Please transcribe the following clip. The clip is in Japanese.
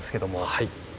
はい。